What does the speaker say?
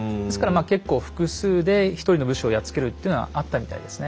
まあ結構複数で１人の武士をやっつけるっていうのはあったみたいですね。